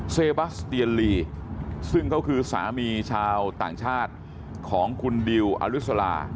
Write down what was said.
เซบัสเตียนลีซึ่งเขาคือสามีชาวต่างชาติของคุณดิวอลิสลา